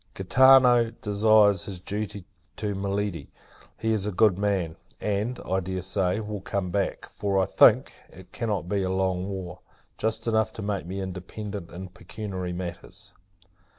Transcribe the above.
Gaetano desires his duty to Miledi! He is a good man; and, I dare say, will come back: for, I think, it cannot be a long war; just enough to make me independent in pecuniary matters.